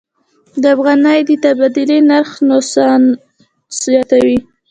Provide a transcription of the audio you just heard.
د افغانۍ د تبادلې نرخ نوسانات زیاتوي.